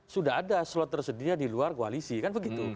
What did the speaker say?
sudah ada slot tersedia di luar koalisi kan begitu